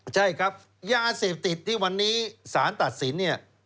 ใช่ครับยาเสพติดที่วันนี้สารตัดสินเนี่ย